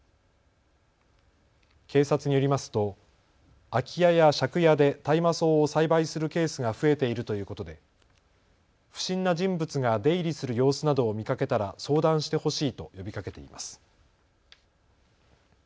警察によりますと空き家や借家で大麻草を栽培するケースが増えているということで不審な人物が出入りする様子などを見かけたら相談してほしいと呼びかけています。